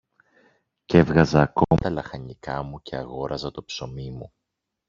κι έβγαζα ακόμα τα λαχανικά μου και αγόραζα το ψωμί μου.